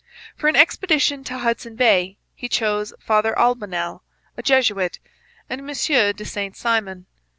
For an expedition to Hudson Bay he chose Father Albanel, a Jesuit, and M. de Saint Simon.